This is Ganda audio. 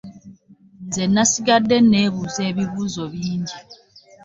Nze nasigadde nneebuuza ebibuuzo bingi.